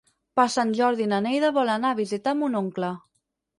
Per Sant Jordi na Neida vol anar a visitar mon oncle.